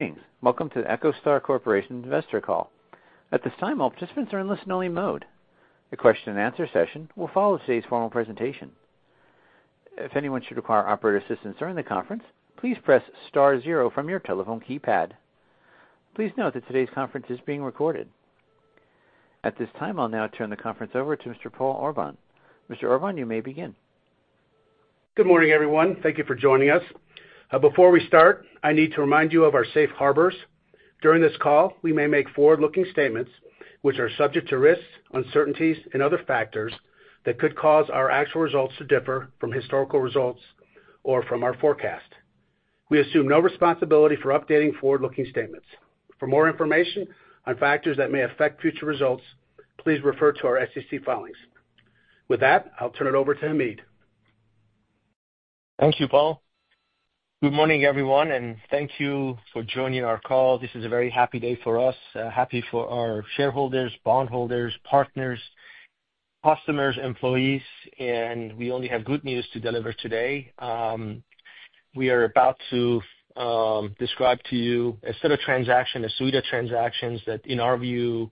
Greetings. Welcome to the EchoStar Corporation Investor Call. At this time, all participants are in listen-only mode. A question and answer session will follow today's formal presentation. If anyone should require operator assistance during the conference, please press star zero from your telephone keypad. Please note that today's conference is being recorded. At this time, I'll now turn the conference over to Mr. Paul Orban. Mr. Orban, you may begin. Good morning, everyone. Thank you for joining us. Before we start, I need to remind you of our safe harbors. During this call, we may make forward-looking statements, which are subject to risks, uncertainties, and other factors that could cause our actual results to differ from historical results or from our forecast. We assume no responsibility for updating forward-looking statements. For more information on factors that may affect future results, please refer to our SEC filings. With that, I'll turn it over to Hamid. Thank you, Paul. Good morning, everyone, and thank you for joining our call. This is a very happy day for us, happy for our shareholders, bondholders, partners, customers, employees, and we only have good news to deliver today. We are about to describe to you a set of transaction, a suite of transactions that, in our view,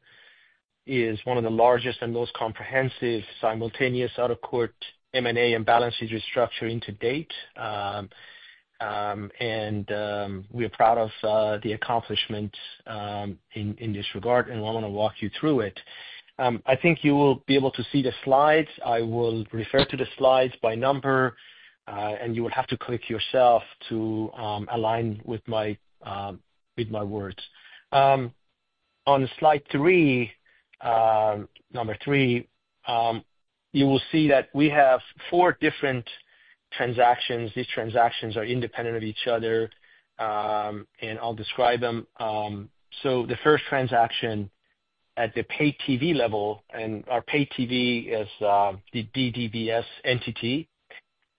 is one of the largest and most comprehensive, simultaneous out-of-court M&A and balance sheet restructuring to date. We are proud of the accomplishment in this regard, and I want to walk you through it. I think you will be able to see the slides. I will refer to the slides by number, and you will have to click yourself to align with my words. On slide three, number three, you will see that we have four different transactions. These transactions are independent of each other, and I'll describe them. So the first transaction at the Pay-TV level, and our Pay-TV is the DDBS entity,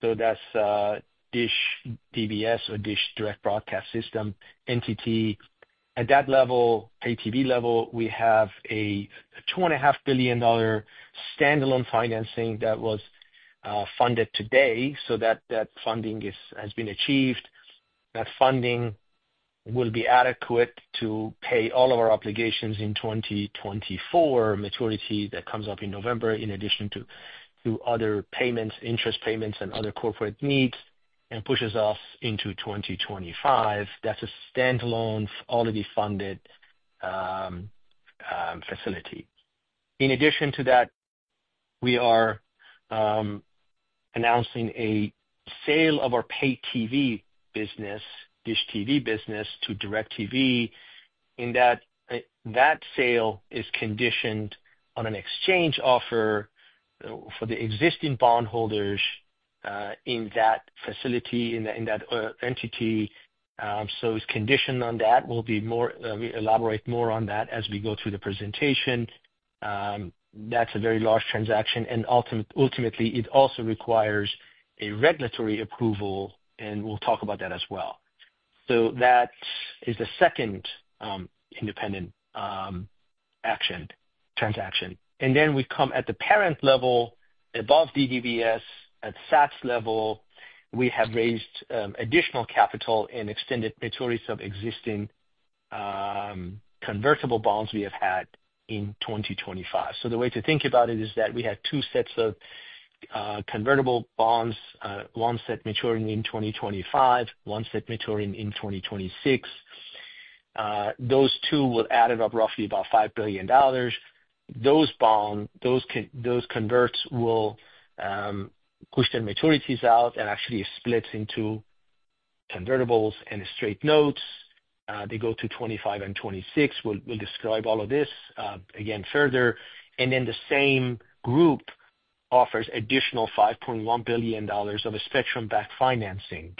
so that's DISH DBS or DISH Direct Broadcast Satellite entity. At that level, Pay-TV level, we have a $2.5 billion standalone financing that was funded today, so that funding has been achieved. That funding will be adequate to pay all of our obligations in 2024 maturity that comes up in November, in addition to other payments, interest payments, and other corporate needs, and pushes us into 2025. That's a standalone, already funded facility. In addition to that, we are announcing a sale of our Pay-TV business, DISH TV business, to DIRECTV, and that sale is conditioned on an exchange offer for the existing bondholders in that facility, in that entity, so it's conditioned on that. We'll be more. We elaborate more on that as we go through the presentation. That's a very large transaction, and ultimately it also requires a regulatory approval, and we'll talk about that as well, so that is the second independent action, transaction, and then we come at the parent level, above DDBS, at SATS level, we have raised additional capital and extended maturities of existing convertible bonds we have had in 2025. So the way to think about it is that we have two sets of convertible bonds, one set maturing in 2025, one set maturing in 2026. Those two will add up roughly about $5 billion. Those bonds, those converts will push their maturities out and actually split into convertibles and straight notes. They go to 2025 and 2026. We'll describe all of this again further. And then the same group offers additional $5.1 billion of a spectrum-backed financing.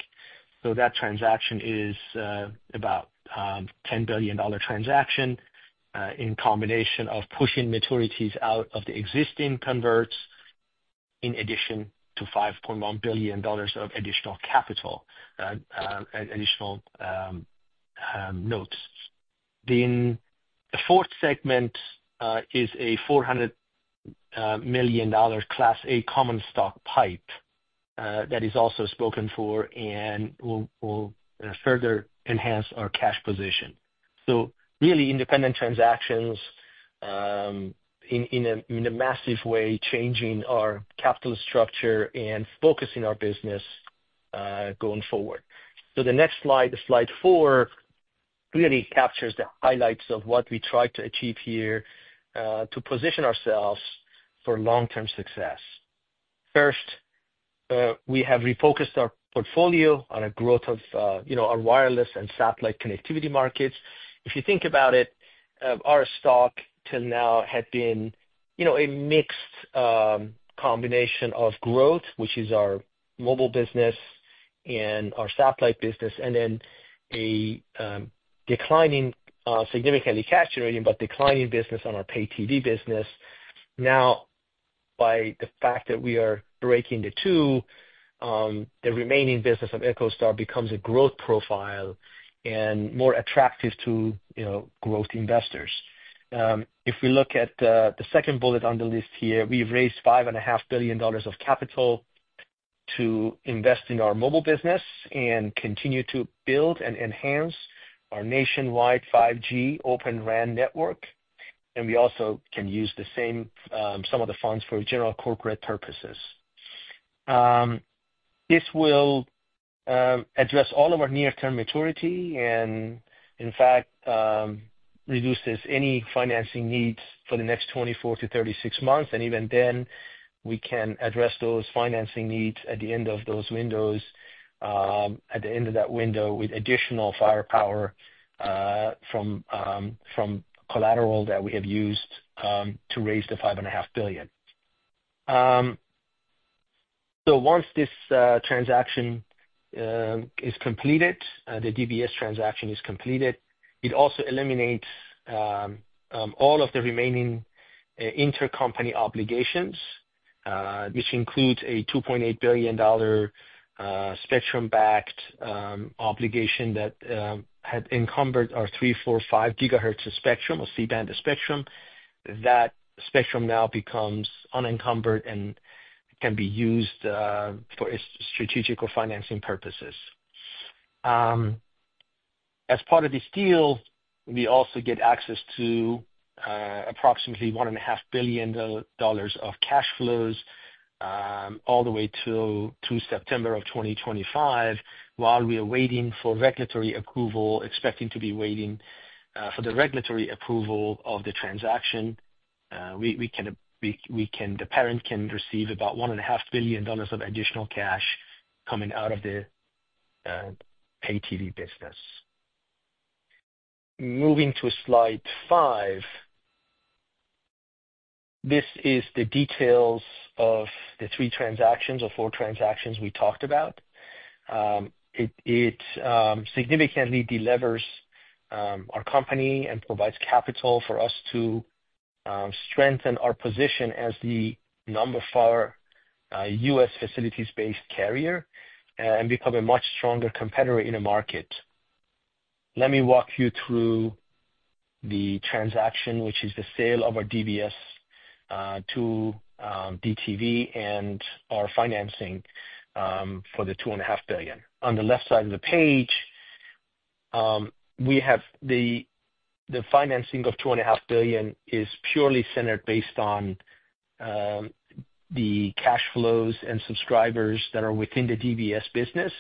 So that transaction is about $10 billion transaction in combination of pushing maturities out of the existing converts, in addition to $5.1 billion of additional capital, additional notes. Then the fourth segment is a $400 million Class A common stock PIPE that is also spoken for and will further enhance our cash position. So really independent transactions in a massive way changing our capital structure and focusing our business going forward. So the next slide, slide four, really captures the highlights of what we try to achieve here to position ourselves for long-term success. First, we have refocused our portfolio on a growth of you know our wireless and satellite connectivity markets. If you think about it, our stock till now had been you know a mixed combination of growth, which is our mobile business and our satellite business, and then a declining significantly cash generating, but declining business on our Pay-TV business. Now, by the fact that we are breaking the two, the remaining business of EchoStar becomes a growth profile and more attractive to, you know, growth investors. If we look at the second bullet on the list here, we've raised $5.5 billion of capital to invest in our mobile business and continue to build and enhance our nationwide 5G Open RAN network, and we also can use the same, some of the funds for general corporate purposes. This will address all of our near-term maturity and, in fact, reduces any financing needs for the next 24-36 months, and even then, we can address those financing needs at the end of those windows, at the end of that window, with additional firepower from collateral that we have used to raise the $5.5 billion. Once this transaction is completed, the DBS transaction is completed, it also eliminates all of the remaining intercompany obligations, which includes a $2.8 billion spectrum-backed obligation that had encumbered our 3.45 GHz of spectrum, or C-band of spectrum. That spectrum now becomes unencumbered and can be used for its strategic or financing purposes. As part of this deal, we also get access to approximately $1.5 billion of cash flows all the way through September of 2025. While we are waiting for regulatory approval, expecting to be waiting for the regulatory approval of the transaction, the parent can receive about $1.5 billion of additional cash coming out of the Pay-TV business. Moving to slide five, this is the details of the three transactions or four transactions we talked about. It significantly delevers our company and provides capital for us to strengthen our position as the number four U.S. facilities-based carrier and become a much stronger competitor in the market. Let me walk you through the transaction, which is the sale of our DBS to DTV and our financing for the $2.5 billion. On the left side of the page, we have the financing of $2.5 billion is purely centered based on the cash flows and subscribers that are within the DBS business.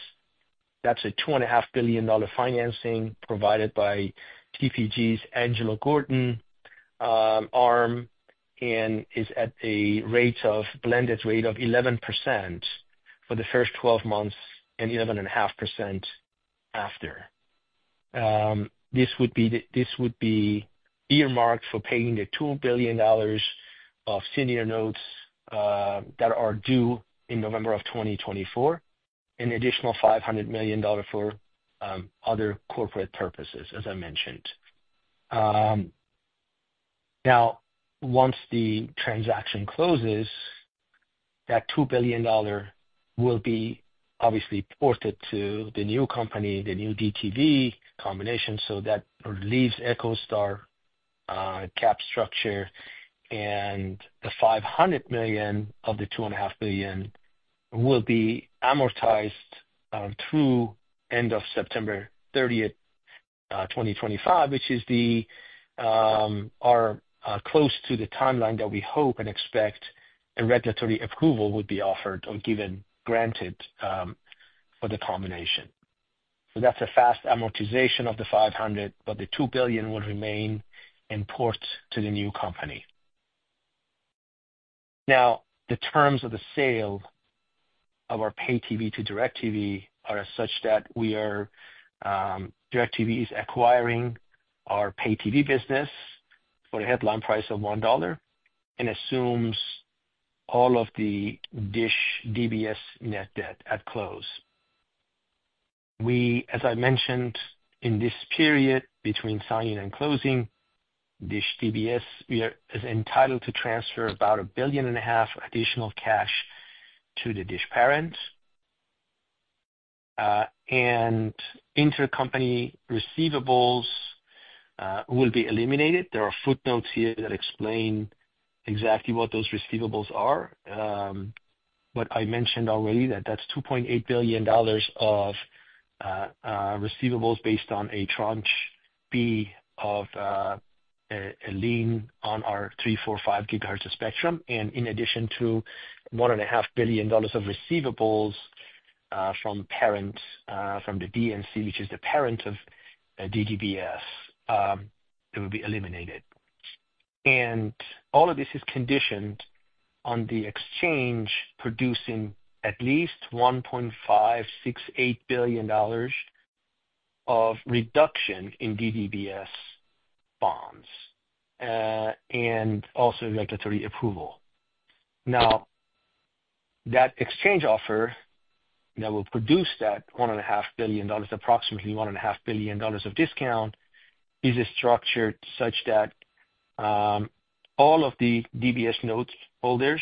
That's a $2.5 billion financing provided by TPG's Angelo Gordon arm, and is at a rate of blended rate of 11% for the first 12 months and 11.5% after. This would be earmarked for paying the $2 billion of senior notes that are due in November of 2024, an additional $500 million for other corporate purposes, as I mentioned. Now, once the transaction closes, that $2 billion will be obviously ported to the new company, the new DTV combination, so that relieves EchoStar capital structure, and the $500 million of the $2.5 billion will be amortized through end of September 30th, 2025, which is the, or, close to the timeline that we hope and expect a regulatory approval would be offered or given, granted, for the combination. So that's a fast amortization of the $500 million, but the $2 billion would remain and port to the new company. Now, the terms of the sale of our Pay-TV to DIRECTV are such that we are, DIRECTV is acquiring our Pay-TV business for a headline price of $1 and assumes all of the DISH DBS net debt at close. We, as I mentioned, in this period between signing and closing, DISH DBS is entitled to transfer about $1.5 billion additional cash to the DISH parent. And intercompany receivables will be eliminated. There are footnotes here that explain exactly what those receivables are. But I mentioned already that that's $2.8 billion of receivables based on a tranche B of a lien on our 3.45 GHz of spectrum, and in addition to $1.5 billion of receivables from parent from the DNC, which is the parent of DDBS, it will be eliminated. All of this is conditioned on the exchange producing at least $1.568 billion of reduction in DDBS bonds and also regulatory approval. Now, that exchange offer that will produce that $1.5 billion, approximately $1.5 billion of discount, is structured such that, all of the DBS note holders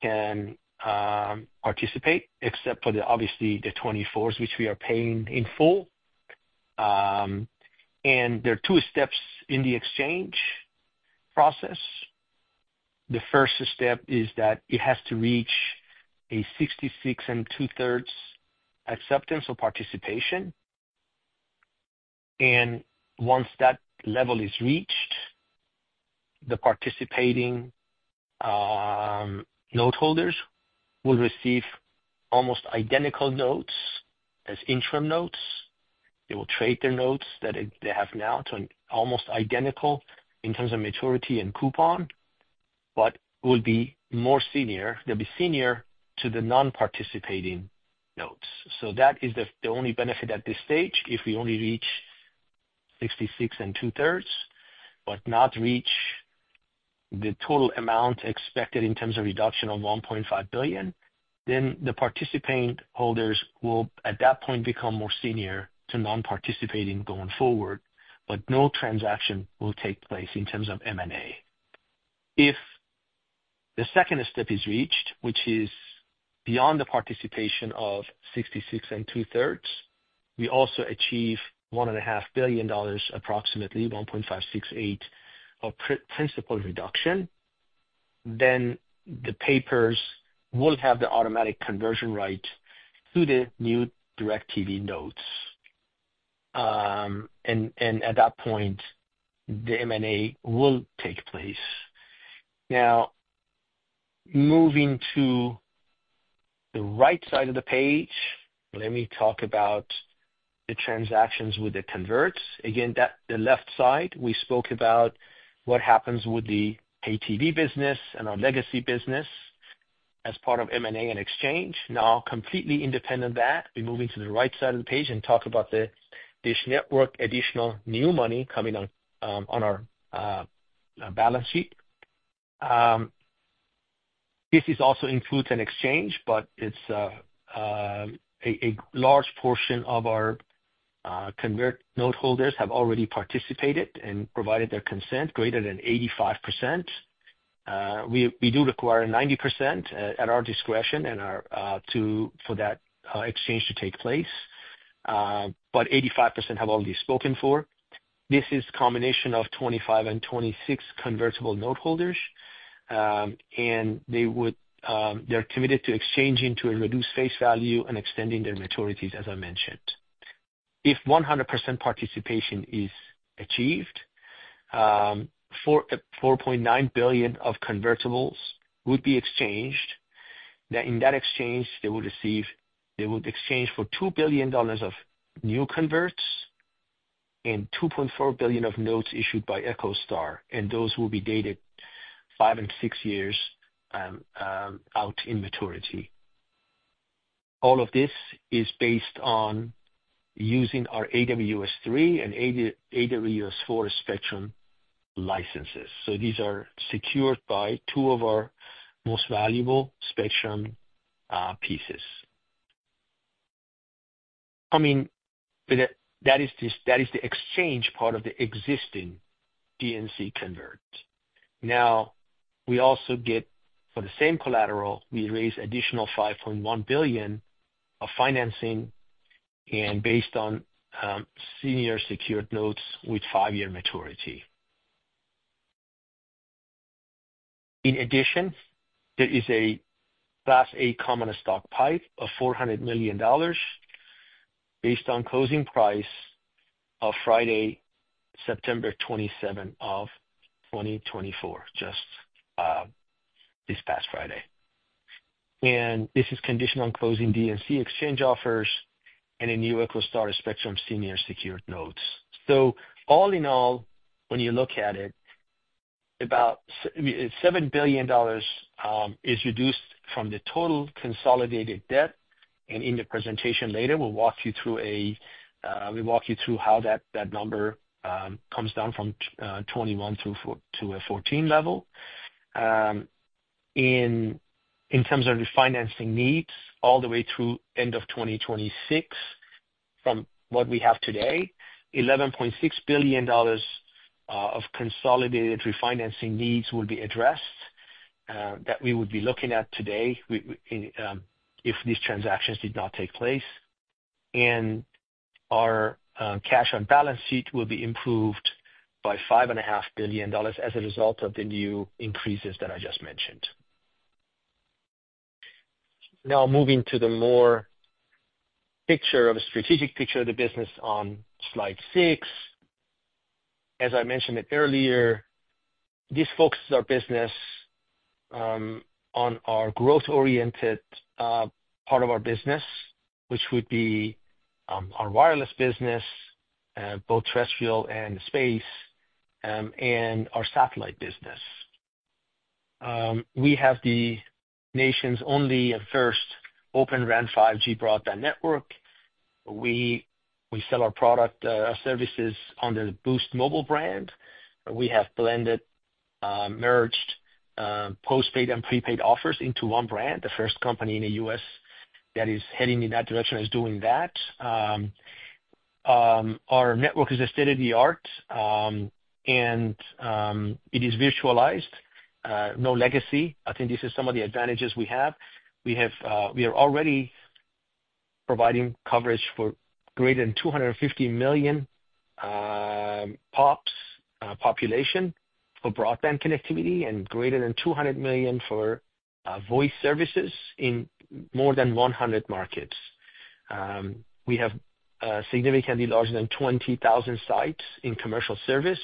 can, participate, except for the, obviously, the 24s, which we are paying in full, and there are two steps in the exchange process. The first step is that it has to reach a 66 2/3% acceptance or participation. And once that level is reached, the participating, note holders will receive almost identical notes as interim notes. They will trade their notes that they have now to an almost identical in terms of maturity and coupon, but will be more senior. They will be senior to the non-participating notes. That is the only benefit at this stage, if we only reach 66 2/3%, but not reach the total amount expected in terms of reduction of $1.5 billion, then the participating holders will, at that point, become more senior to non-participating going forward, but no transaction will take place in terms of M&A. If the second step is reached, which is beyond the participation of 66 2/3, we also achieve $1.5 billion, approximately $1.568 billion, of principal reduction. Then the papers will have the automatic conversion right to the new DIRECTV notes. At that point, the M&A will take place. Now, moving to the right side of the page, let me talk about the transactions with the converts. Again, the left side, we spoke about what happens with the pay TV business and our legacy business as part of M&A and exchange. Now, completely independent of that, we move into the right side of the page and talk about the DISH Network, additional new money coming on, on our balance sheet. This also includes an exchange, but it's a large portion of our convertible note holders have already participated and provided their consent greater than 85%. We do require 90% at our discretion and our to for that exchange to take place, but 85% have already spoken for. This is combination of 2025 and 2026 convertible note holders, and they're committed to exchanging to a reduced face value and extending their maturities, as I mentioned. If 100% participation is achieved, $4.9 billion of convertibles would be exchanged. Now, in that exchange, they would exchange for $2 billion of new converts and $2.4 billion of notes issued by EchoStar, and those will be dated five and six years out in maturity. All of this is based on using our AWS-3 and AWS-4 spectrum licenses. So these are secured by two of our most valuable spectrum pieces. I mean, that is the exchange part of the existing DNC convert. Now, we also get, for the same collateral, we raise additional $5.1 billion of financing and based on senior secured notes with five-year maturity. In addition, there is a Class A common stock pipe of $400 million based on closing price of Friday, September 27th, 2024, just this past Friday. This is conditional on closing DNC exchange offers and a new EchoStar spectrum senior secured notes. All in all, when you look at it, about $7 billion is reduced from the total consolidated debt. In the presentation later, we'll walk you through how that number comes down from 21 to a 14 level. In terms of refinancing needs all the way through end of 2026, from what we have today, $11.6 billion of consolidated refinancing needs will be addressed, that we would be looking at today, if these transactions did not take place, and our cash on balance sheet will be improved by $5.5 billion as a result of the new increases that I just mentioned. Now, moving to the more picture of a strategic picture of the business on slide six. As I mentioned it earlier, this focuses our business on our growth-oriented part of our business, which would be our wireless business both terrestrial and space and our satellite business. We have the nation's only and first Open RAN 5G broadband network. We sell our product, services under the Boost Mobile brand. We have blended, merged, postpaid and prepaid offers into one brand, the first company in the U.S. that is heading in that direction is doing that. Our network is a state-of-the-art, and it is virtualized. No legacy. I think this is some of the advantages we have. We are already providing coverage for greater than 250 million POPs, population for broadband connectivity and greater than 200 million for voice services in more than 100 markets. We have significantly larger than 20,000 sites in commercial service,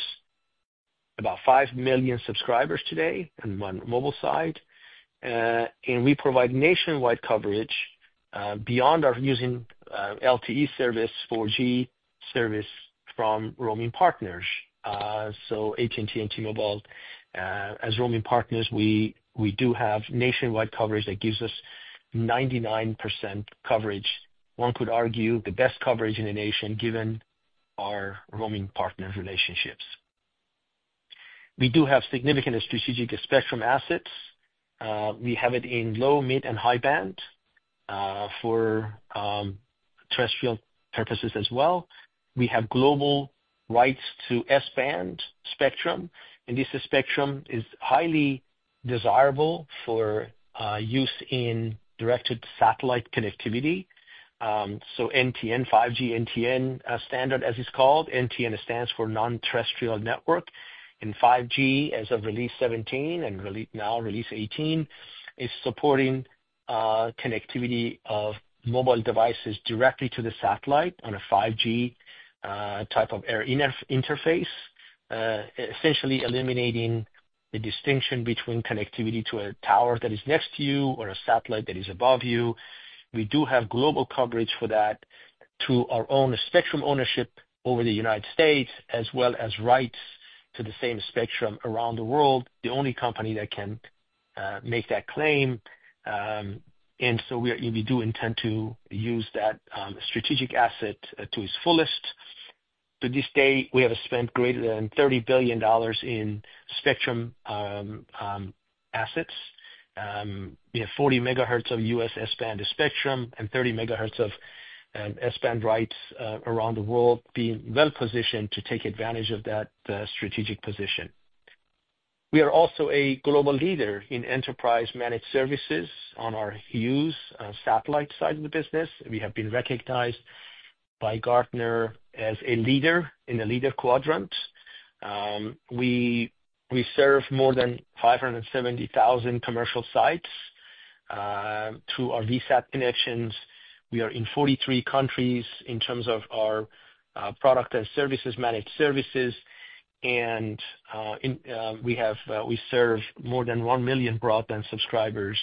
about 5 million subscribers today on one mobile side. And we provide nationwide coverage, beyond our using LTE service, 4G service from roaming partners. So AT&T and T-Mobile, as roaming partners, we do have nationwide coverage that gives us 99% coverage. One could argue, the best coverage in the nation, given our roaming partner relationships. We do have significant strategic spectrum assets. We have it in low, mid, and high band, for terrestrial purposes as well. We have global rights to S-band spectrum, and this spectrum is highly desirable for use in directed satellite connectivity. So NTN, 5G NTN, standard, as it's called. NTN stands for Non-Terrestrial Network, and 5G, as of Release 17 and now Release 18, is supporting connectivity of mobile devices directly to the satellite on a 5G type of air interface. Essentially eliminating the distinction between connectivity to a tower that is next to you or a satellite that is above you. We do have global coverage for that through our own spectrum ownership over the United States, as well as rights to the same spectrum around the world, the only company that can make that claim, and so we do intend to use that strategic asset to its fullest. To this day, we have spent greater than $30 billion in spectrum assets. We have 40 MHz of U.S. S-band spectrum and 30 MHz of S-band rights around the world, being well positioned to take advantage of that strategic position. We are also a global leader in enterprise managed services on our Hughes satellite side of the business. We have been recognized by Gartner as a leader in the leader quadrant. We serve more than 570,000 commercial sites through our VSAT connections. We are in 43 countries in terms of our product and services, managed services, and in we have we serve more than 1 million broadband subscribers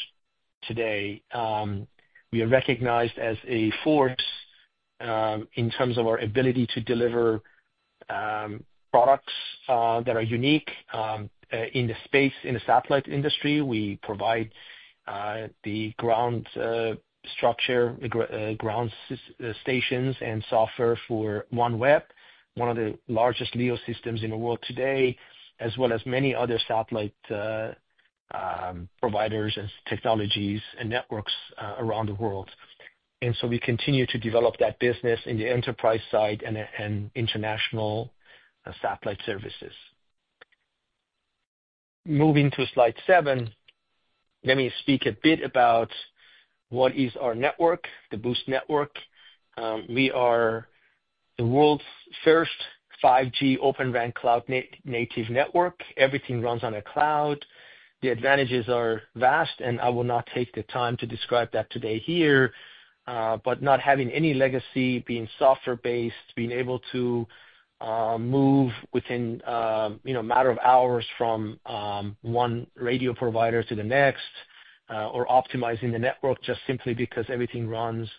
today. We are recognized as a force in terms of our ability to deliver products that are unique in the space, in the satellite industry. We provide the ground structure, the ground stations and software for OneWeb, one of the largest LEO systems in the world today, as well as many other satellite providers and technologies and networks around the world. And so we continue to develop that business in the enterprise side and international satellite services. Moving to slide seven, let me speak a bit about what is our network, the Boost network. We are the world's first 5G Open RAN cloud native network. Everything runs on a cloud. The advantages are vast, and I will not take the time to describe that today here. But not having any legacy, being software-based, being able to move within, you know, a matter of hours from one radio provider to the next, or optimizing the network just simply because everything runs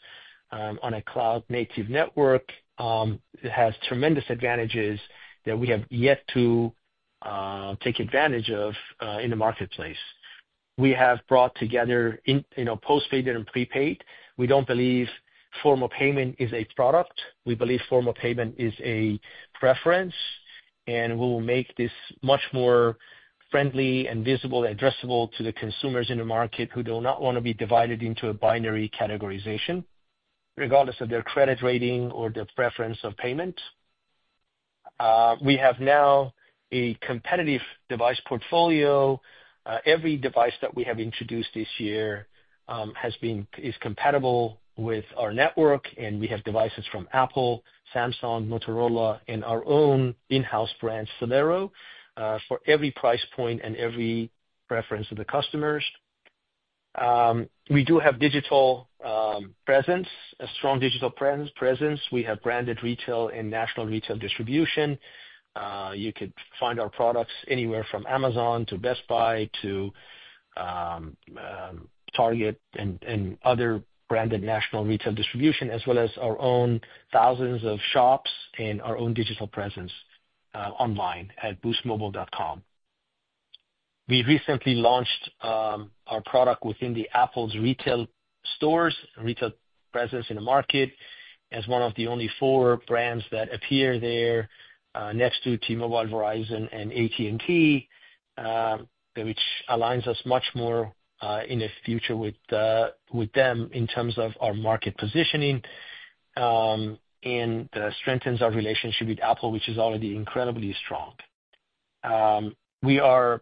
on a cloud native network, it has tremendous advantages that we have yet to take advantage of in the marketplace. We have brought together in, you know, post-paid and prepaid. We don't believe form of payment is a product. We believe form of payment is a preference, and we will make this much more friendly and visible and addressable to the consumers in the market who do not want to be divided into a binary categorization, regardless of their credit rating or their preference of payment. We have now a competitive device portfolio. Every device that we have introduced this year, has been, is compatible with our network, and we have devices from Apple, Samsung, Motorola, and our own in-house brand, Celero, for every price point and every preference of the customers. We do have digital presence, a strong digital presence. We have branded retail and national retail distribution. You could find our products anywhere from Amazon to Best Buy to Target and other branded national retail distribution, as well as our own thousands of shops and our own digital presence online at boostmobile.com. We recently launched our product within the Apple's retail stores, retail presence in the market, as one of the only four brands that appear there next to T-Mobile, Verizon, and AT&T, which aligns us much more in the future with them in terms of our market positioning and strengthens our relationship with Apple, which is already incredibly strong. We are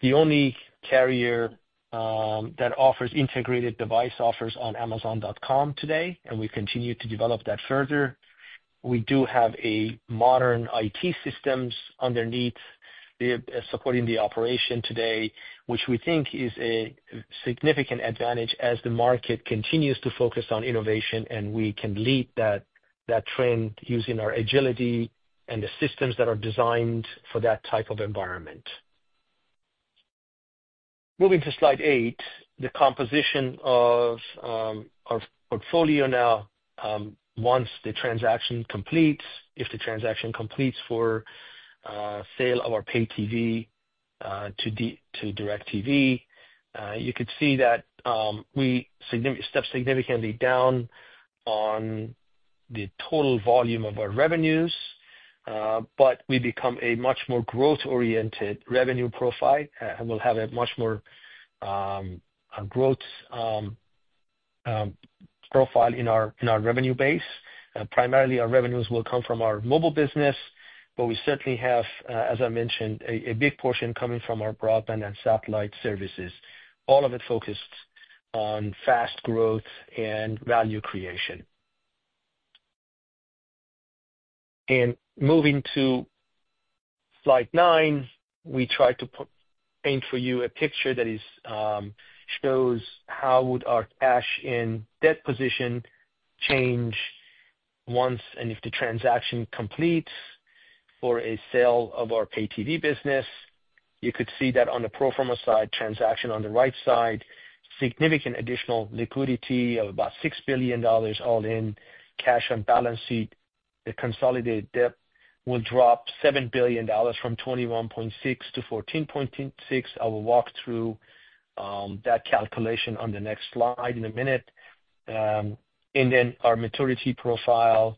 the only carrier that offers integrated device offers on Amazon.com today, and we continue to develop that further. We do have modern IT systems underneath, supporting the operation today, which we think is a significant advantage as the market continues to focus on innovation, and we can lead that trend using our agility and the systems that are designed for that type of environment. Moving to slide eight, the composition of our portfolio now, once the transaction completes, if the transaction completes for sale of our Pay-TV to DIRECTV, you could see that we step significantly down on the total volume of our revenues, but we become a much more growth-oriented revenue profile, and we'll have a much more growth profile in our revenue base. Primarily, our revenues will come from our mobile business, but we certainly have, as I mentioned, a big portion coming from our broadband and satellite services, all of it focused on fast growth and value creation. Moving to slide nine, we try to paint for you a picture that is, shows how would our cash and debt position change once, and if the transaction completes for a sale of our pay TV business. You could see that on the pro forma side, transaction on the right side, significant additional liquidity of about $6 billion all in cash and balance sheet. The consolidated debt will drop $7 billion from $21.6 billion to $14.6 billion. I will walk through that calculation on the next slide in a minute. And then our maturity profile,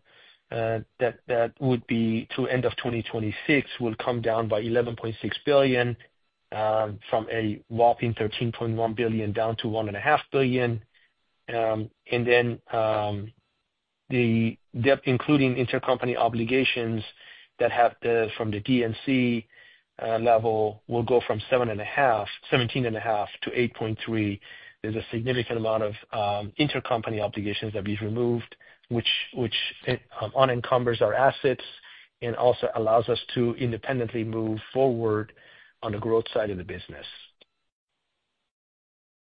that would be to end of 2026, will come down by $11.6 billion from a whopping $13.1 billion, down to $1.5 billion. And then the debt, including intercompany obligations from the DNC level, will go from $17.5 billion to $8.3 billion. There's a significant amount of intercompany obligations that we've removed, which unencumbers our assets and also allows us to independently move forward on the growth side of the business.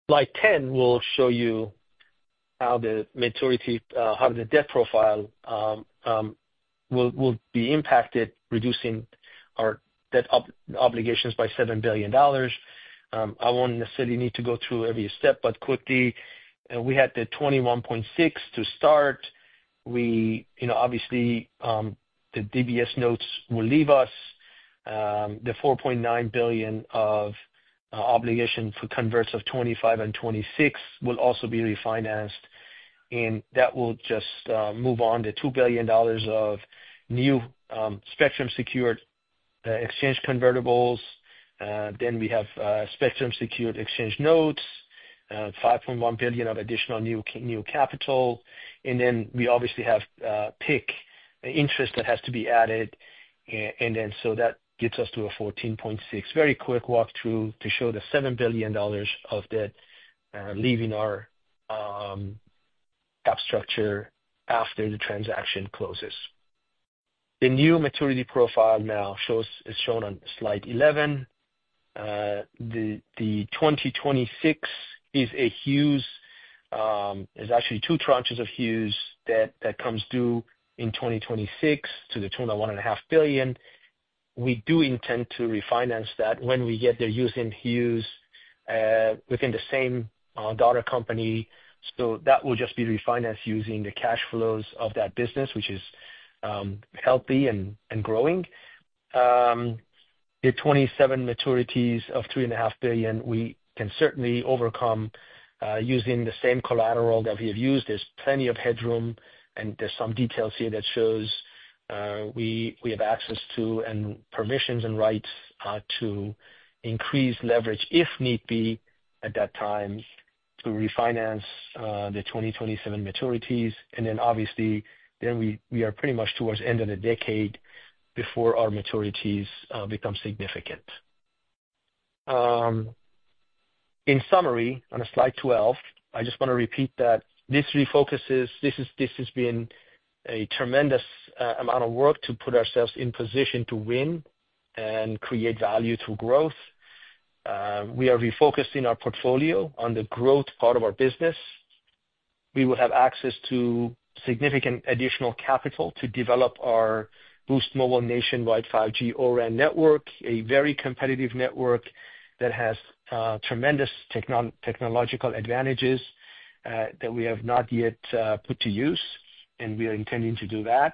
Slide 10 will show you how the maturity, how the debt profile will be impacted, reducing our debt obligations by $7 billion. I won't necessarily need to go through every step, but quickly, we had the $21.6 billion to start. We, you know, obviously, the DBS notes will leave us. The $4.9 billion of obligation for converts of 2025 and 2026 will also be refinanced, and that will just move on to $2 billion of new spectrum secured exchange convertibles. Then we have spectrum-secured exchange notes, $5.1 billion of additional new capital. And then we obviously have PIC interest that has to be added. And then, so that gets us to a $14.6 billion. Very quick walk through to show the $7 billion of debt leaving our cap structure after the transaction closes. The new maturity profile now shows, is shown on slide 11. The 2026 is a Hughes. There's actually two tranches of Hughes that comes due in 2026 to the tune of $1.5 billion. We do intend to refinance that when we get the use in Hughes within the same daughter company. So that will just be refinanced using the cash flows of that business, which is healthy and growing. The 2027 maturities of $3.5 billion, we can certainly overcome using the same collateral that we have used. There's plenty of headroom, and there's some details here that shows we have access to, and permissions and rights to increase leverage, if need be, at that time, to refinance the 2027 maturities. And then obviously, then we are pretty much towards the end of the decade before our maturities become significant. In summary, on slide 12, I just want to repeat that this refocuses. This has been a tremendous amount of work to put ourselves in position to win and create value through growth. We are refocusing our portfolio on the growth part of our business. We will have access to significant additional capital to develop our Boost Mobile nationwide 5G O-RAN network, a very competitive network that has tremendous technological advantages that we have not yet put to use, and we are intending to do that.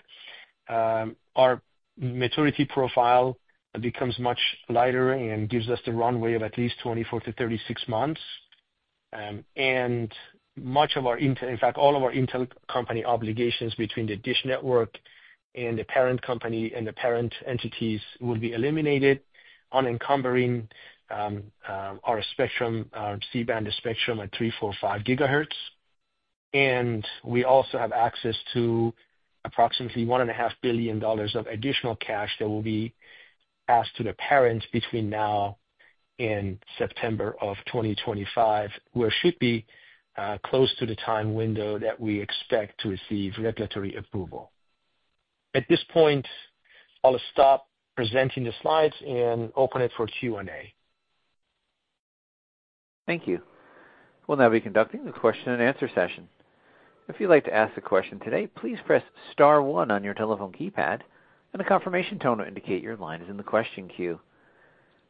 Our maturity profile becomes much lighter and gives us the runway of at least 24-36 months. And much of our inter... In fact, all of our intercompany obligations between the DISH Network and the parent company and the parent entities will be eliminated, unencumbering, our spectrum, our C-band spectrum at 3.45 GHz, and we also have access to approximately $1.5 billion of additional cash that will be passed to the parent between now and September of 2025, which should be close to the time window that we expect to receive regulatory approval. At this point, I'll stop presenting the slides and open it for Q&A. Thank you. We'll now be conducting the question and answer session. If you'd like to ask a question today, please press star one on your telephone keypad, and a confirmation tone will indicate your line is in the question queue.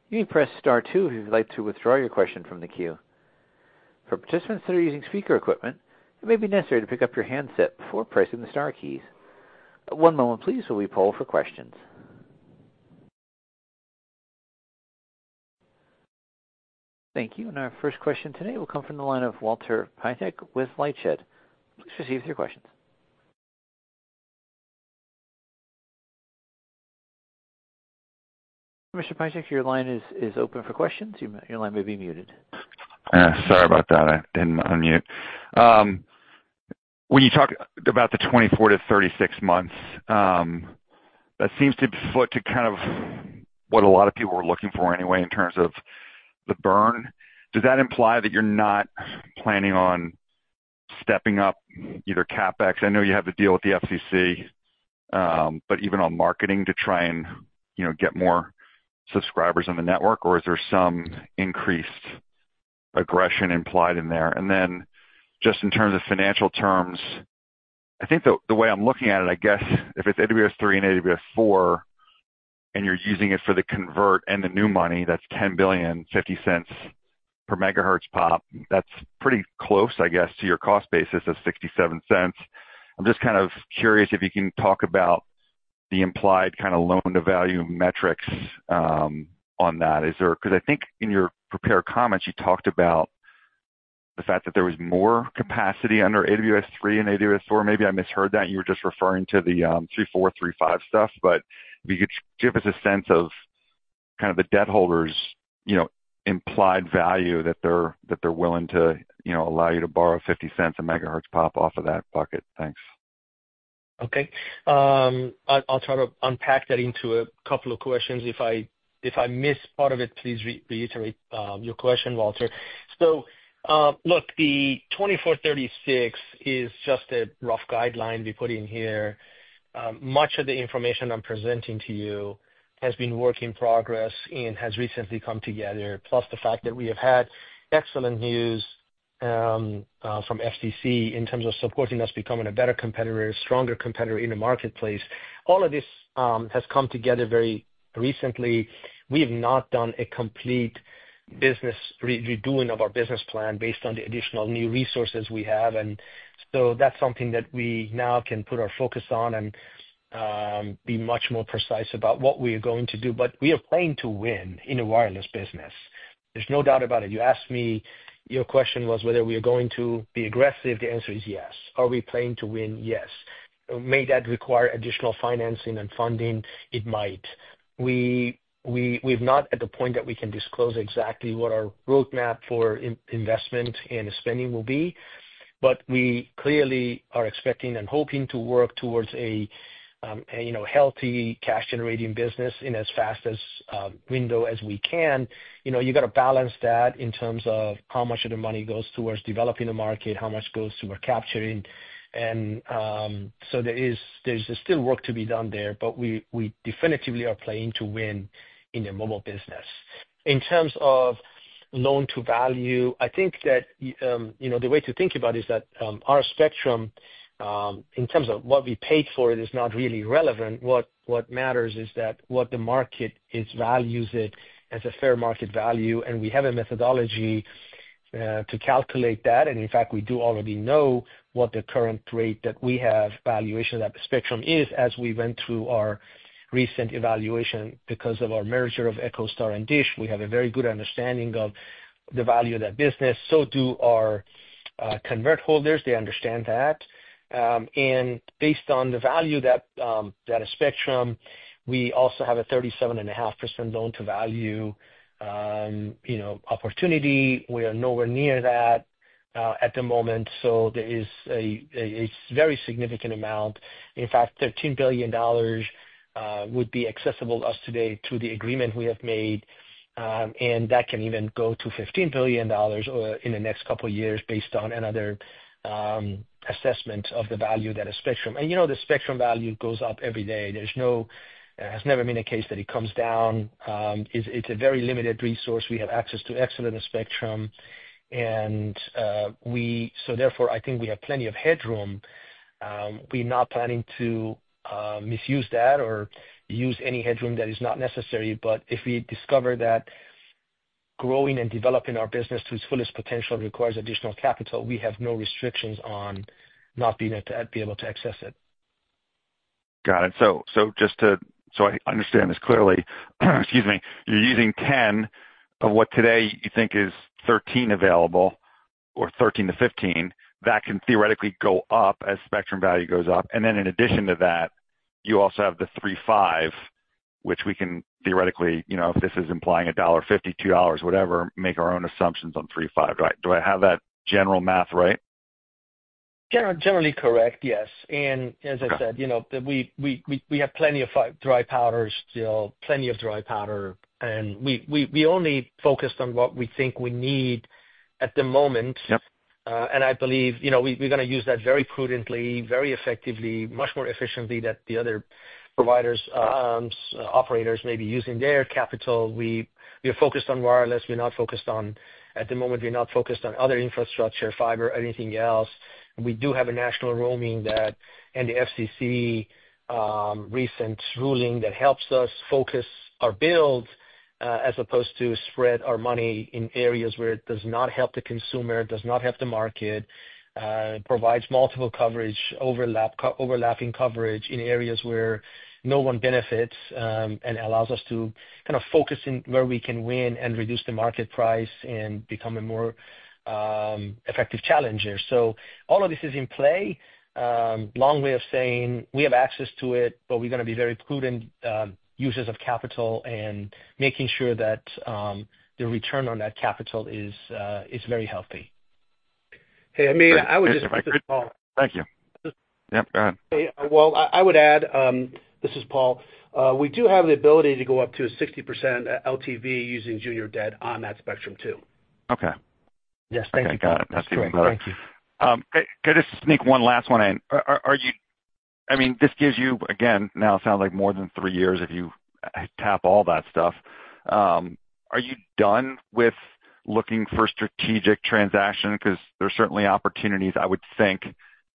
You may press star two if you'd like to withdraw your question from the queue. For participants that are using speaker equipment, it may be necessary to pick up your handset before pressing the star keys. One moment please, while we poll for questions. Thank you. And our first question today will come from the line of Walter Piecyk with LightShed. Please proceed with your questions. Mr. Piecyk, your line is open for questions. Your line may be muted. Sorry about that. I didn't unmute. When you talk about the 24-36 months, that seems to foot to kind of what a lot of people were looking for anyway, in terms of the burn. Does that imply that you're not planning on stepping up either CapEx? I know you have the deal with the FCC, but even on marketing, to try and, you know, get more subscribers on the network, or is there some increased aggression implied in there? And then just in terms of financial terms, I think the way I'm looking at it, I guess if it's AWS-3 and AWS-4, and you're using it for the convert and the new money, that's $10 billion, $0.50 per MHz-POP. That's pretty close, I guess, to your cost basis of $0.67. I'm just kind of curious if you can talk about the implied kind of loan-to-value metrics on that. Is there-- Because I think in your prepared comments, you talked about the fact that there was more capacity under AWS-3 and AWS-4. Maybe I misheard that, you were just referring to the three, four, three, five stuff, but if you could give us a sense of kind of the debt holders, you know, implied value, that they're willing to, you know, allow you to borrow $0.50 a MHz-POP off of that bucket. Thanks. Okay. I'll try to unpack that into a couple of questions. If I miss part of it, please reiterate your question, Walter. So, look, the 24-36 is just a rough guideline we put in here. Much of the information I'm presenting to you has been work in progress and has recently come together, plus the fact that we have had excellent news from FCC in terms of supporting us becoming a better competitor, a stronger competitor in the marketplace. All of this has come together very recently. We have not done a complete business redoing of our business plan based on the additional new resources we have, and so that's something that we now can put our focus on and be much more precise about what we are going to do. But we are playing to win in the wireless business. There's no doubt about it. You asked me, your question was whether we are going to be aggressive. The answer is yes. Are we playing to win? Yes. May that require additional financing and funding? It might. We're not at the point that we can disclose exactly what our roadmap for investment and spending will be, but we clearly are expecting and hoping to work towards a, you know, healthy cash generating business in as fast a window as we can. You know, you've got to balance that in terms of how much of the money goes towards developing the market, how much goes toward capturing. And, so there's still work to be done there, but we definitively are playing to win in the mobile business. In terms of loan-to-value, I think that, you know, the way to think about it is that, our spectrum, in terms of what we paid for it, is not really relevant. What matters is that what the market values it as a fair market value, and we have a methodology to calculate that. And in fact, we do already know what the current rate that we have valuation of that spectrum is as we went through our recent evaluation. Because of our merger of EchoStar and Dish, we have a very good understanding of the value of that business. So do our convert holders. They understand that. And based on the value that our spectrum, we also have a 37.5% loan-to-value, you know, opportunity. We are nowhere near that at the moment, so there is a very significant amount. In fact, $13 billion would be accessible to us today through the agreement we have made, and that can even go to $15 billion or in the next couple of years based on another assessment of the value that is spectrum. And, you know, the spectrum value goes up every day. There's no, there has never been a case that it comes down. It's a very limited resource. We have access to excellent spectrum, and so therefore, I think we have plenty of headroom. We're not planning to misuse that or use any headroom that is not necessary. But if we discover that growing and developing our business to its fullest potential requires additional capital, we have no restrictions on not being able to access it. Got it. So, just to understand this clearly, excuse me. You're using 10 of what today you think is 13 available, or 13 to 15, that can theoretically go up as spectrum value goes up. And then in addition to that, you also have the 3.5?... which we can theoretically, you know, if this is implying $1.50, $2, whatever, make our own assumptions on 3.5, right? Do I have that general math right? Generally correct, yes. And as I said, you know, that we have plenty of dry powder still, and we only focused on what we think we need at the moment. Yep. And I believe, you know, we're gonna use that very prudently, very effectively, much more efficiently than the other providers, operators may be using their capital. We are focused on wireless. At the moment, we're not focused on other infrastructure, fiber, anything else. We do have national roaming, and the FCC recent ruling that helps us focus our build as opposed to spread our money in areas where it does not help the consumer, does not help the market, provides multiple coverage, overlapping coverage in areas where no one benefits, and allows us to kind of focus in where we can win and reduce the market price and become a more effective challenger. So all of this is in play. Long way of saying, we have access to it, but we're gonna be very prudent users of capital and making sure that the return on that capital is very healthy. Hey, Hamid, I would just- Thank you. Yep, go ahead. I would add, this is Paul. We do have the ability to go up to 60% LTV using junior debt on that spectrum, too. Okay. Yes, thank you. Okay, got it. That's even better. Thank you. Could I just sneak one last one in? Are you-- I mean, this gives you, again, now it sounds like more than three years if you tap all that stuff. Are you done with looking for strategic transaction? Because there's certainly opportunities, I would think,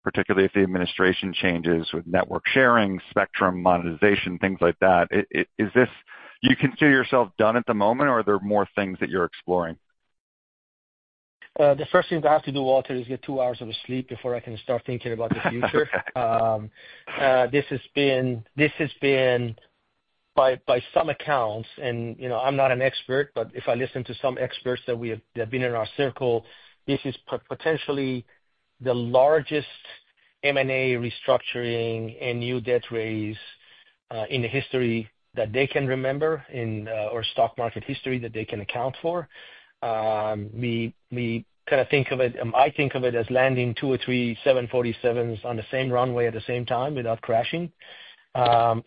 particularly if the administration changes with network sharing, spectrum monetization, things like that. Is this, you consider yourself done at the moment, or are there more things that you're exploring? The first thing I have to do, Walter, is get two hours of sleep before I can start thinking about the future. This has been by some accounts, and you know, I'm not an expert, but if I listen to some experts that we have that have been in our circle, this is potentially the largest M&A restructuring and new debt raise in the history that they can remember, or stock market history that they can account for. We kind of think of it, I think of it as landing two or three 747s on the same runway at the same time without crashing.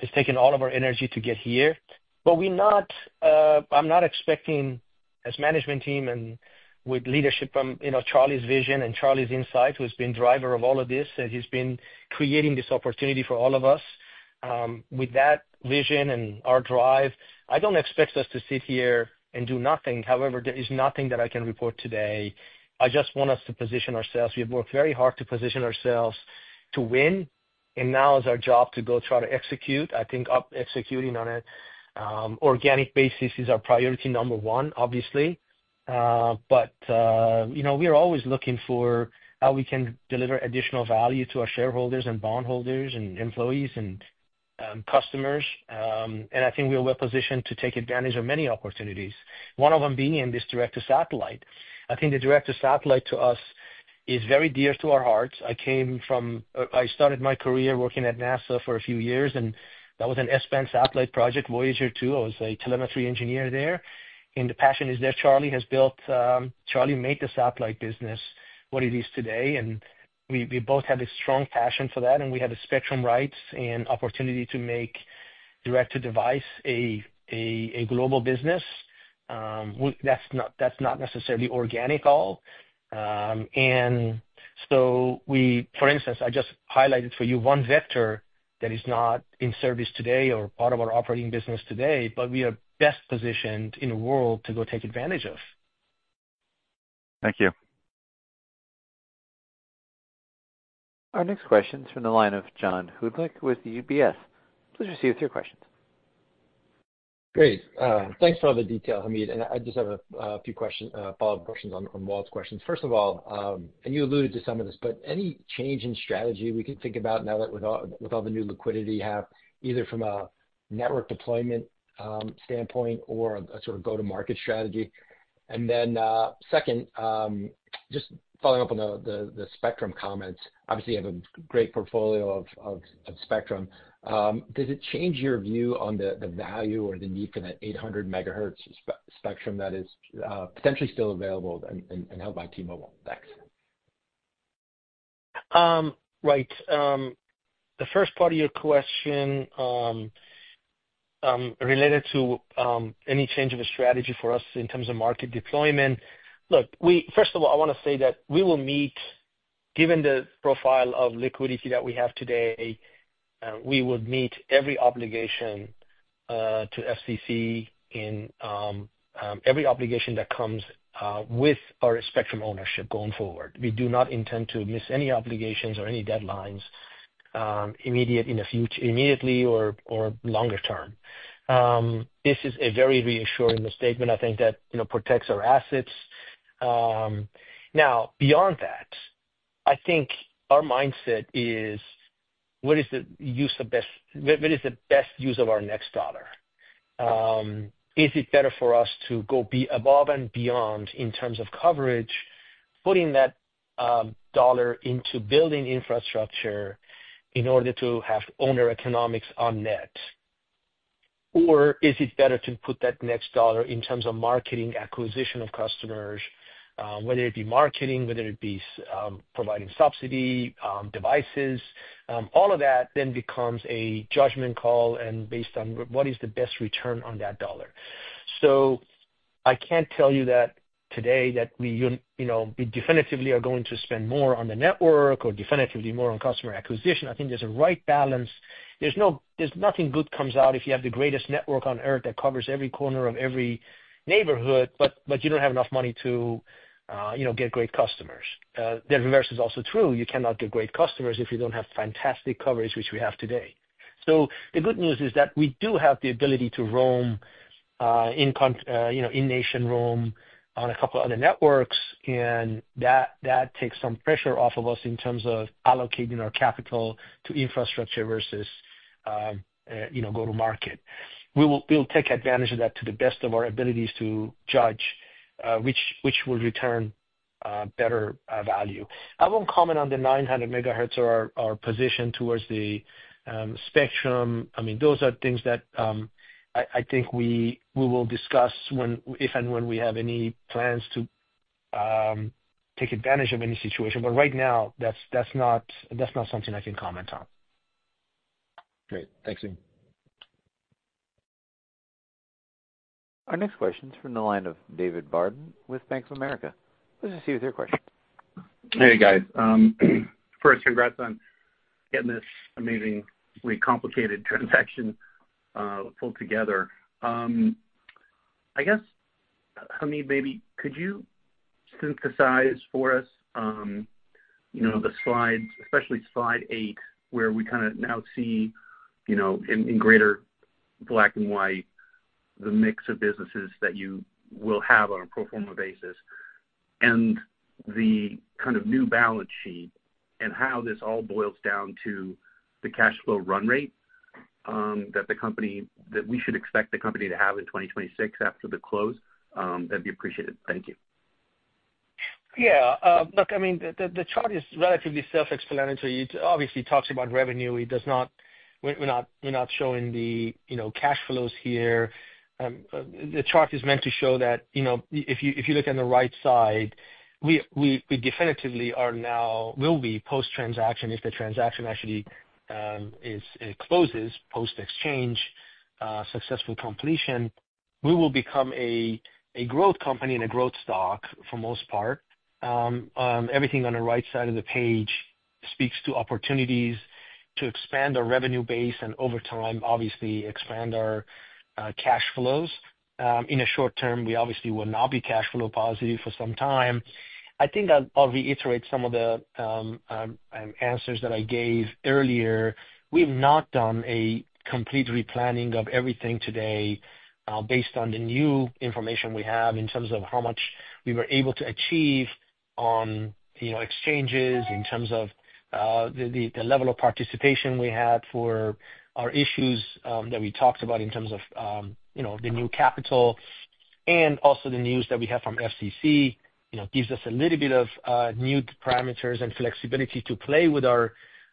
It's taken all of our energy to get here, but we're not, I'm not expecting, as management team and with leadership from, you know, Charlie's vision and Charlie's insight, who's been driver of all of this, and he's been creating this opportunity for all of us, with that vision and our drive, I don't expect us to sit here and do nothing. However, there is nothing that I can report today. I just want us to position ourselves. We have worked very hard to position ourselves to win, and now is our job to go try to execute. I think, executing on a organic basis is our priority number one, obviously. But, you know, we are always looking for how we can deliver additional value to our shareholders and bondholders and employees and, customers. I think we are well positioned to take advantage of many opportunities, one of them being in this direct-to-satellite. I think the direct-to-satellite to us is very dear to our hearts. I came from, I started my career working at NASA for a few years, and that was an S-band satellite project, Voyager 2. I was a telemetry engineer there, and the passion is there. Charlie made the satellite business what it is today, and we both have a strong passion for that, and we have the spectrum rights and opportunity to make direct-to-device a global business. That's not necessarily organic at all. And so we, for instance, I just highlighted for you one vector that is not in service today or part of our operating business today, but we are best positioned in the world to go take advantage of. Thank you. Our next question is from the line of John Hodulik with UBS. Please proceed with your questions. Great. Thanks for all the detail, Hamid, and I just have a few questions, follow-up questions on Walt's questions. First of all, and you alluded to some of this, but any change in strategy we can think about now that with all the new liquidity you have, either from a network deployment standpoint or a sort of go-to-market strategy? And then, second, just following up on the spectrum comments, obviously you have a great portfolio of spectrum. Does it change your view on the value or the need for the 800 MHz spectrum that is potentially still available and held by T-Mobile? Thanks. Right. The first part of your question related to any change of a strategy for us in terms of market deployment. Look, we first of all, I want to say that we will meet, given the profile of liquidity that we have today, we will meet every obligation to FCC in every obligation that comes with our spectrum ownership going forward. We do not intend to miss any obligations or any deadlines, immediately or longer term. This is a very reassuring statement, I think, that, you know, protects our assets. Now, beyond that, I think our mindset is, what is the best use of our next dollar? Is it better for us to go be above and beyond in terms of coverage?... putting that dollar into building infrastructure in order to have owner economics on net, or is it better to put that next dollar in terms of marketing, acquisition of customers, whether it be marketing, whether it be providing subsidy, devices, all of that then becomes a judgment call and based on what is the best return on that dollar. So I can't tell you that today, that we you know, we definitively are going to spend more on the network or definitively more on customer acquisition. I think there's a right balance. There's nothing good comes out if you have the greatest network on earth that covers every corner of every neighborhood, but you don't have enough money to, you know, get great customers. The inverse is also true. You cannot get great customers if you don't have fantastic coverage, which we have today. So the good news is that we do have the ability to roam, you know, nationwide roam on a couple other networks, and that takes some pressure off of us in terms of allocating our capital to infrastructure versus, you know, go to market. We'll take advantage of that to the best of our abilities to judge which will return better value. I won't comment on the 900 MHz or our position towards the spectrum. I mean, those are things that I think we will discuss when, if and when we have any plans to take advantage of any situation. But right now, that's not something I can comment on. Great. Thanks, Hamid. Our next question is from the line of David Barden with Bank of America. Please proceed with your question. Hey, guys. First, congrats on getting this amazingly complicated transaction pulled together. I guess, Hamid, maybe could you synthesize for us, you know, the slides, especially slide eight, where we kind of now see, you know, in greater black and white, the mix of businesses that you will have on a pro forma basis, and the kind of new balance sheet, and how this all boils down to the cash flow run rate that the company... that we should expect the company to have in 2026 after the close? That'd be appreciated. Thank you. Yeah. Look, I mean, the chart is relatively self-explanatory. It obviously talks about revenue. It does not - we're not showing the, you know, cash flows here. The chart is meant to show that, you know, if you look on the right side, we definitively are now, will be post-transaction, if the transaction actually closes, post-exchange, successful completion, we will become a growth company and a growth stock for most part. Everything on the right side of the page speaks to opportunities to expand our revenue base, and over time, obviously expand our cash flows. In a short term, we obviously will not be cash flow positive for some time. I think I'll reiterate some of the answers that I gave earlier. We've not done a complete replanning of everything today, based on the new information we have in terms of how much we were able to achieve on, you know, exchanges, in terms of, the level of participation we had for our issues, that we talked about in terms of, you know, the new capital. And also the news that we have from FCC, you know, gives us a little bit of new parameters and flexibility to play with our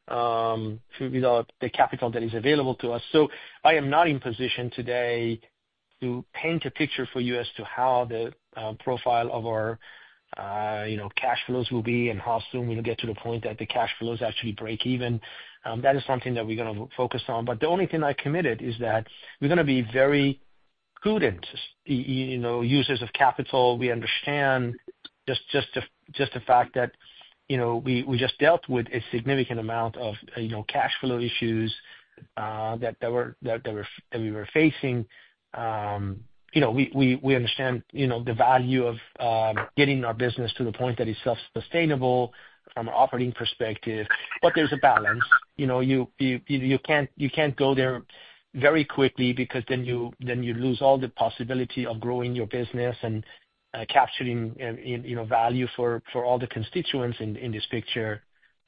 the capital that is available to us. So I am not in position today to paint a picture for you as to how the profile of our, you know, cash flows will be and how soon we'll get to the point that the cash flows actually break even. That is something that we're gonna focus on. But the only thing I committed is that we're gonna be very prudent, you know, users of capital. We understand just the fact that, you know, we just dealt with a significant amount of, you know, cash flow issues that we were facing. You know, we understand, you know, the value of getting our business to the point that is self-sustainable from an operating perspective, but there's a balance. You know, you can't go there very quickly because then you lose all the possibility of growing your business and capturing you know value for all the constituents in this picture.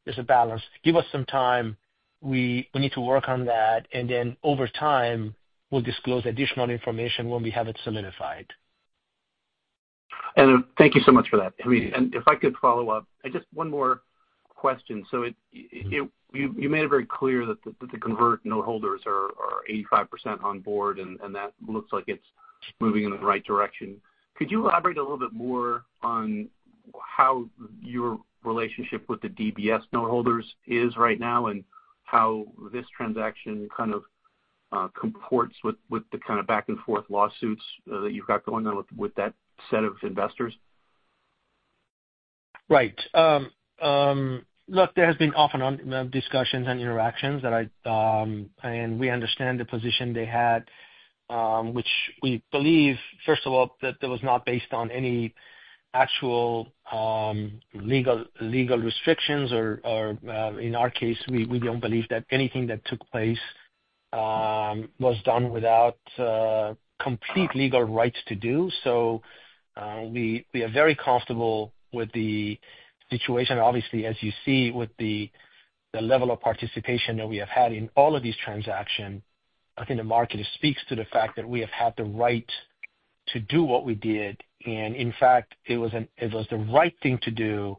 There's a balance. Give us some time. We need to work on that, and then over time, we'll disclose additional information when we have it solidified. Thank you so much for that, Hamid. If I could follow up with just one more question. You made it very clear that the convertible noteholders are 85% on board, and that looks like it's moving in the right direction. Could you elaborate a little bit more on how your relationship with the DBS noteholders is right now, and how this transaction kind of comports with the kind of back and forth lawsuits that you've got going on with that set of investors? Right. Look, there has been off and on discussions and interactions that I and we understand the position they had, which we believe, first of all, that that was not based on any actual legal restrictions or in our case, we don't believe that anything that took place was done without complete legal rights to do. So, we are very comfortable with the situation, obviously, as you see with the level of participation that we have had in all of these transaction. I think the market speaks to the fact that we have had the right to do what we did, and in fact, it was the right thing to do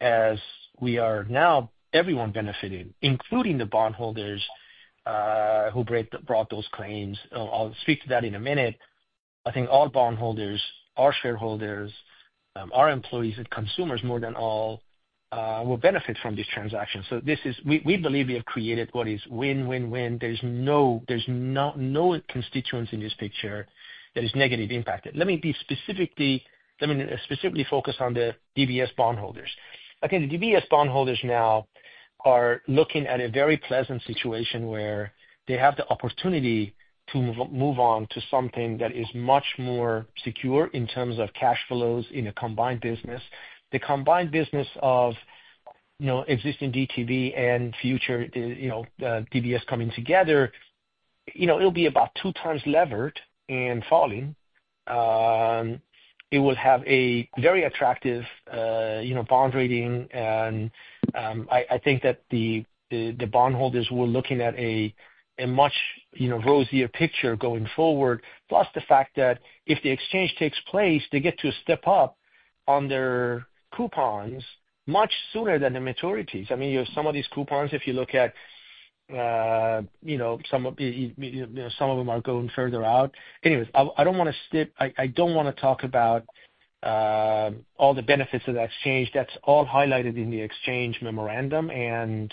as we are now everyone benefiting, including the bondholders who brought those claims. I'll speak to that in a minute. I think our bondholders, our shareholders, our employees and consumers more than all will benefit from this transaction. So this is we believe we have created what is win, win, win. There's no constituents in this picture that is negatively impacted. Let me specifically focus on the DBS bondholders. Again, the DBS bondholders now are looking at a very pleasant situation where they have the opportunity to move on to something that is much more secure in terms of cash flows in a combined business. The combined business of, you know, existing DIRECTV and future DBS coming together, you know, it'll be about two times levered and falling. It will have a very attractive, you know, bond rating, and, I think that the bondholders were looking at a much, you know, rosier picture going forward. Plus, the fact that if the exchange takes place, they get to step up on their coupons much sooner than the maturities. I mean, you know, some of these coupons, if you look at, you know, some of them are going further out. Anyways, I don't wanna skip. I don't wanna talk about all the benefits of the exchange. That's all highlighted in the exchange memorandum, and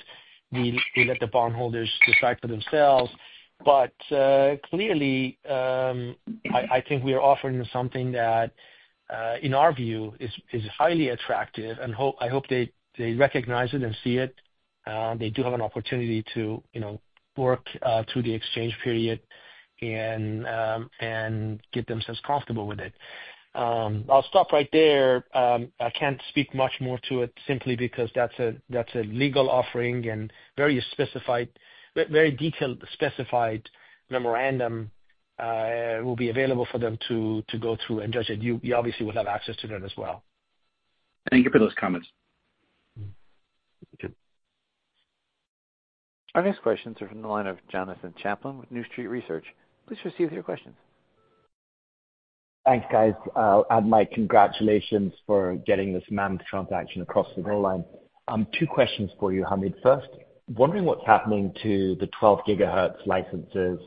we let the bondholders decide for themselves. But, clearly, I think we are offering something that, in our view, is highly attractive and hope, I hope they recognize it and see it. They do have an opportunity to, you know, work through the exchange period and get themselves comfortable with it. I'll stop right there. I can't speak much more to it simply because that's a legal offering and very specific, very detailed specific memorandum will be available for them to go through and judge it. You obviously will have access to that as well. Thank you for those comments. Mm-hmm. Thank you. Our next questions are from the line of Jonathan Chaplin with New Street Research. Please proceed with your questions. Thanks, guys. I'll add my congratulations for getting this month transaction across the goal line. Two questions for you, Hamid. First, wondering what's happening to the 12 GHz licenses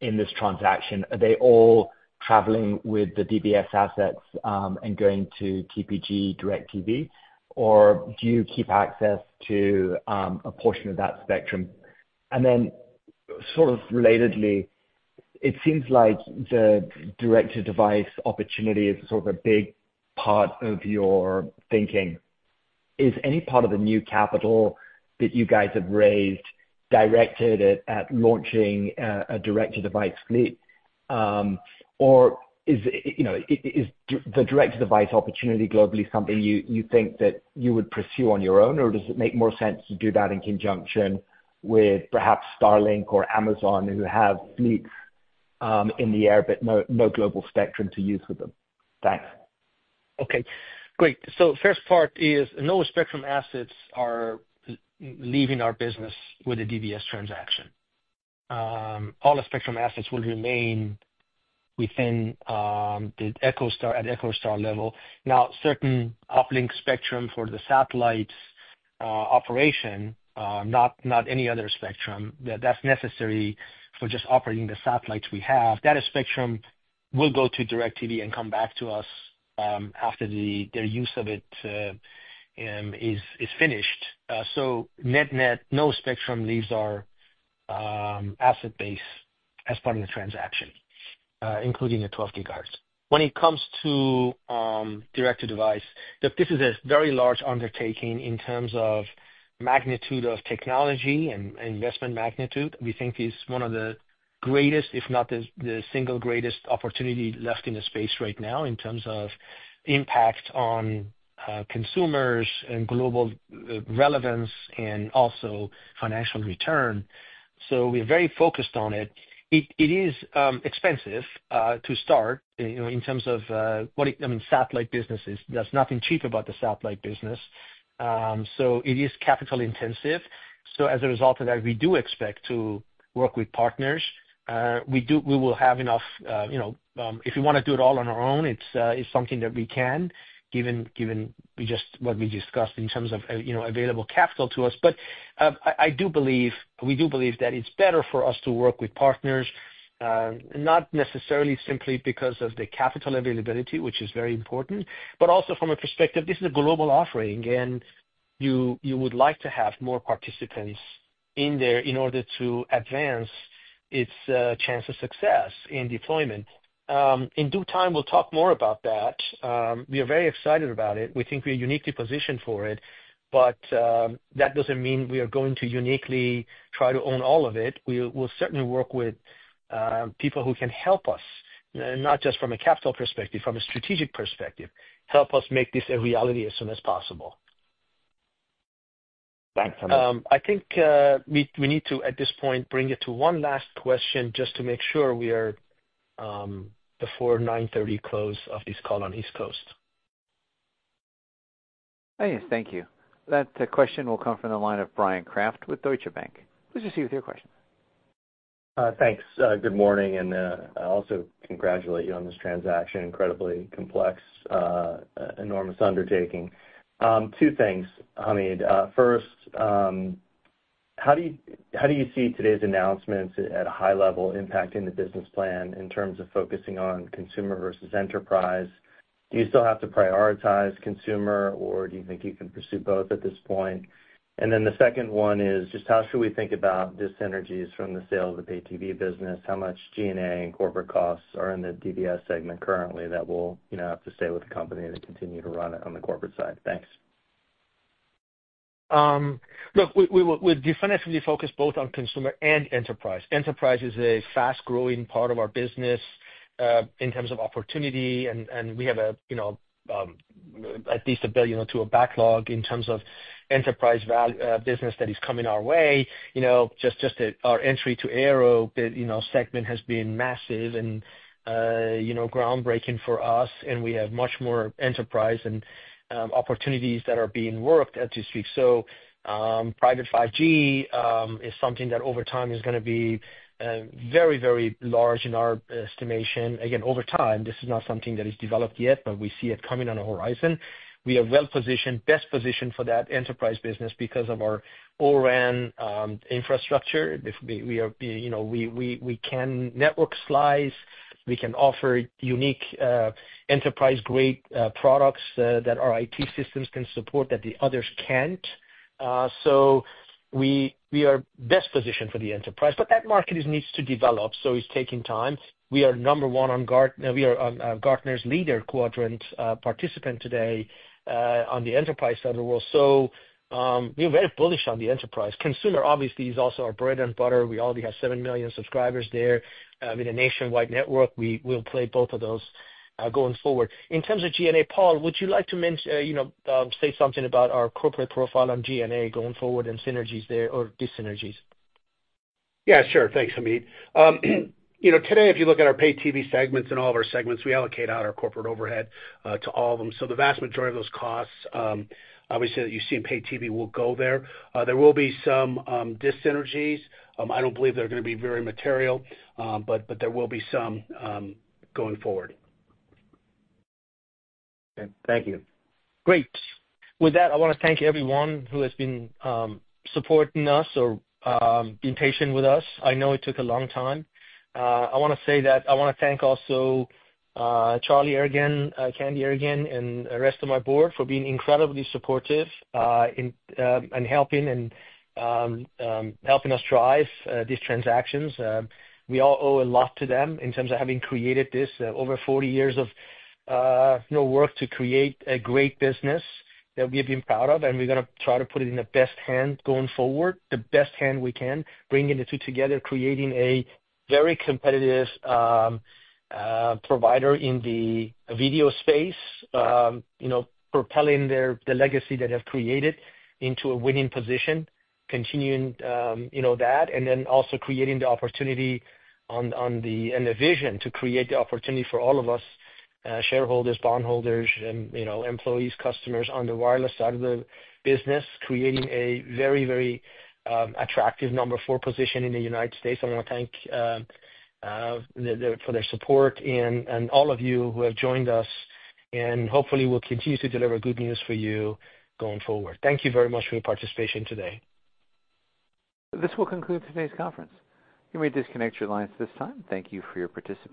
in this transaction. Are they all traveling with the DBS assets, and going to TPG DIRECTV? Or do you keep access to a portion of that spectrum? And then, sort of relatedly, it seems like the direct-to-device opportunity is sort of a big part of your thinking. Is any part of the new capital that you guys have raised directed at launching a direct-to-device fleet? Or is, you know, is the direct-to-device opportunity globally something you think that you would pursue on your own, or does it make more sense to do that in conjunction with perhaps Starlink or Amazon, who have fleets in the air, but no global spectrum to use with them? Thanks. Okay, great. So first part is no spectrum assets are leaving our business with the DBS transaction. All the spectrum assets will remain within the EchoStar, at EchoStar level. Now, certain uplink spectrum for the satellite operation, not any other spectrum, that's necessary for just operating the satellites we have. That spectrum will go to DIRECTV and come back to us after their use of it is finished. So net, no spectrum leaves our asset base as part of the transaction, including the 12 GHz. When it comes to direct-to-device, that this is a very large undertaking in terms of magnitude of technology and investment magnitude. We think it's one of the greatest, if not the single greatest opportunity left in the space right now in terms of impact on consumers and global relevance and also financial return. So we're very focused on it. It is expensive to start, you know, in terms of I mean, satellite businesses, there's nothing cheap about the satellite business. So it is capital intensive. So as a result of that, we do expect to work with partners. We will have enough, you know, if we wanna do it all on our own, it's something that we can, given what we just discussed in terms of you know available capital to us. But I do believe we do believe that it's better for us to work with partners, not necessarily simply because of the capital availability, which is very important, but also from a perspective, this is a global offering, and you would like to have more participants in there in order to advance its chance of success in deployment. In due time, we'll talk more about that. We are very excited about it. We think we're uniquely positioned for it, but that doesn't mean we are going to uniquely try to own all of it. We will certainly work with people who can help us, not just from a capital perspective, from a strategic perspective, help us make this a reality as soon as possible... I think, we need to, at this point, bring it to one last question just to make sure we are before 9:30 A.M. close of this call on East Coast. Yes, thank you. That question will come from the line of Bryan Kraft with Deutsche Bank. Please proceed with your question. Thanks. Good morning, and I also congratulate you on this transaction. Incredibly complex, enormous undertaking. Two things, Hamid. First, how do you see today's announcements at a high level impacting the business plan in terms of focusing on consumer versus enterprise? Do you still have to prioritize consumer, or do you think you can pursue both at this point? And then the second one is, just how should we think about dyssynergies from the sale of the Pay-TV business? How much G&A and corporate costs are in the DBS segment currently that will, you know, have to stay with the company and continue to run it on the corporate side? Thanks. Look, we'll definitively focus both on consumer and enterprise. Enterprise is a fast-growing part of our business in terms of opportunity, and we have, you know, at least a billion or two of backlog in terms of enterprise business that is coming our way. You know, just our entry to Aero, you know, segment has been massive and, you know, groundbreaking for us, and we have much more enterprise and opportunities that are being worked at this week. Private 5G is something that over time is gonna be very, very large in our estimation. Again, over time. This is not something that is developed yet, but we see it coming on the horizon. We are well positioned, best positioned for that enterprise business because of our O-RAN infrastructure. If we are, you know, we can network slice, we can offer unique, enterprise-grade, products that our IT systems can support, that the others can't. So we are best positioned for the enterprise, but that market needs to develop, so it's taking time. We are number one on Gartner's leader quadrant participant today on the enterprise side of the world. So, we are very bullish on the enterprise. Consumer, obviously, is also our bread and butter. We already have seven million subscribers there, in a nationwide network. We will play both of those, going forward. In terms of M&A, Paul, would you like to mention, you know, say something about our corporate profile on M&A going forward and synergies there or dyssynergies? Yeah, sure. Thanks, Hamid. You know, today, if you look at our Pay-TV segments and all of our segments, we allocate out our corporate overhead to all of them. So the vast majority of those costs, obviously, that you see in Pay-TV will go there. There will be some dis-synergies. I don't believe they're gonna be very material, but there will be some going forward. Okay. Thank you. Great. With that, I wanna thank everyone who has been supporting us or being patient with us. I know it took a long time. I wanna say that I wanna thank also Charlie Ergen, Cantey Ergen, and the rest of my board for being incredibly supportive in and helping us drive these transactions. We all owe a lot to them in terms of having created this over forty years of you know work to create a great business that we've been proud of, and we're gonna try to put it in the best hand going forward, the best hand we can, bringing the two together, creating a very competitive provider in the video space. You know, propelling their, the legacy they have created into a winning position, continuing, you know, that, and then also creating the opportunity on the... and the vision to create the opportunity for all of us, shareholders, bondholders, and, you know, employees, customers on the wireless side of the business, creating a very, very, attractive number four position in the United States. I wanna thank, the, for their support and all of you who have joined us, and hopefully, we'll continue to deliver good news for you going forward. Thank you very much for your participation today. This will conclude today's conference. You may disconnect your lines at this time. Thank you for your participation.